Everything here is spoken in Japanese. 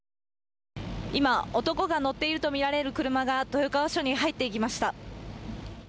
今、男が乗っているとみられる車が豊川署に入ってきました。